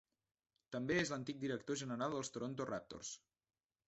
També és l'antic director general dels Toronto Raptors.